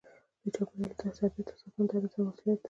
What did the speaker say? د چاپیریال او طبیعت ساتنه د هر انسان مسؤلیت دی.